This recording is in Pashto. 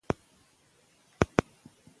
د پوهانو او عالمانو قدر وکړئ.